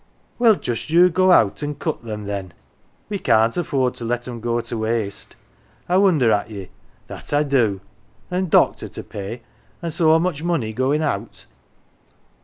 11 " Well, just you go out an' cut 'em, then. We can't afford to let 'em go to waste. I wonder at ye, that I do ! an' doctor to pay, an' so much money goin' out."